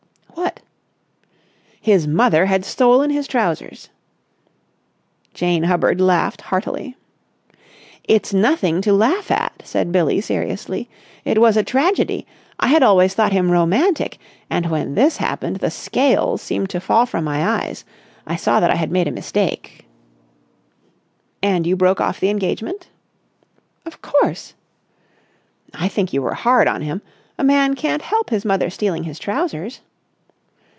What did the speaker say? "What?" "His mother had stolen his trousers." Jane Hubbard laughed heartily. "It's nothing to laugh at," said Billie seriously "It was a tragedy. I had always thought him romantic, and when this happened the scales seemed to fall from my eyes. I saw that I had made a mistake." "And you broke off the engagement?" "Of course!" "I think you were hard on him. A man can't help his mother stealing his trousers."